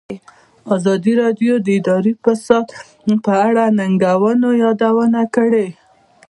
ازادي راډیو د اداري فساد په اړه د ننګونو یادونه کړې.